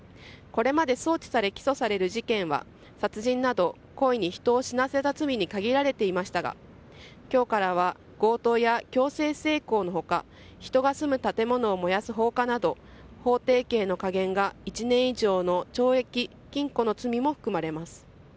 これまで送致され起訴される事件は殺人など故意に人を死なせた罪に限られていましたが今日からは強盗や強制性交の他人が住む建物を燃やす放火など法定刑の下限が１年以上の懲役、禁錮の罪も含まれます。